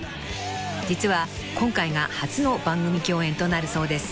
［実は今回が初の番組共演となるそうです］